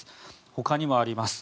ほかにもあります。